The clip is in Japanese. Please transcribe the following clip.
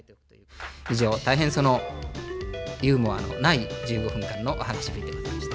以上大変そのユーモアのない１５分間のお話しぶりでございました。